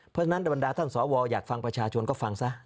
เพราะฉะนั้นบรรดาท่านสวอยากฟังประชาชนก็ฟังซะ